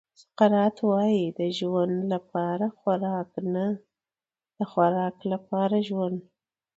سقراط وایي د ژوند لپاره خوراک نه د خوراک لپاره ژوند.